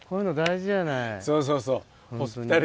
そうそうそう。